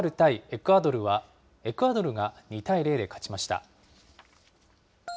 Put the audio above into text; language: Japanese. エクアドルは、エクアドルが２対０で勝ちました。